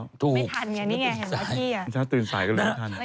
ไม่ทันไงนี่ไงเห็นไหมพี่เช้าตื่นสายก็เลยไม่ทัน